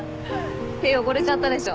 手汚れちゃったでしょ？